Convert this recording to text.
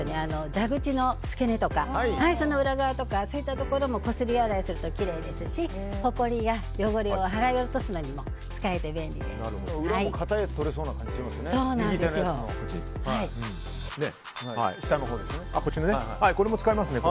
蛇口の付け根とかその裏側とかそういったところもこすり洗いするときれいですしほこりや汚れを払い落とすのに硬いやつとれそうですね。